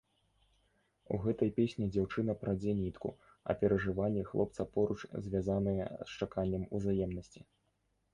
У гэтай песні дзяўчына прадзе нітку, а перажыванні хлопца поруч звязаныя з чаканнем узаемнасці.